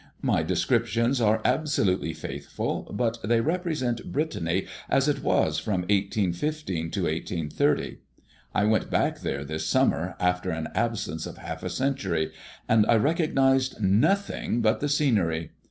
My descriptions are absolutely faithful, but they represent Brittany as it was from 1815 to 1830. I went back there this summer after an absence of half a century, and I recognized nothing but the scenery.